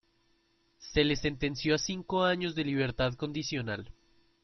Se le sentenció a cinco años de libertad condicional.